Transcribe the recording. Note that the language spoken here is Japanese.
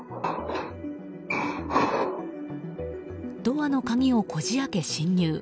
ドアの鍵をこじ開け侵入。